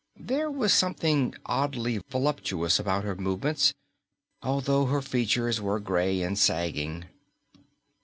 There was something oddly voluptuous about her movements, although her features were gray and sagging.